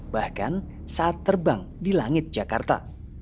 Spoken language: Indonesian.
bahkan saat terbang di langit jakarta